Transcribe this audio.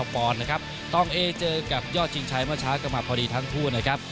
ปอนด์นะครับต้องเอเจอกับยอดชิงชัยเมื่อเช้าก็มาพอดีทั้งคู่นะครับ